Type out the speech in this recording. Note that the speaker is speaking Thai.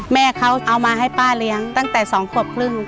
แม่เขาเอามาให้ป้าเลี้ยงตั้งแต่๒ขวบครึ่ง